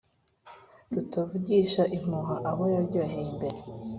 Rutavugisha impuha abo yaryoheye mbere,